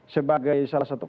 sebagai salah satu